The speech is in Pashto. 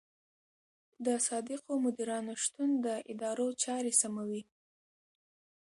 د صادقو مدیرانو شتون د ادارو چارې سموي.